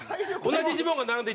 「同じジモンが並んで」。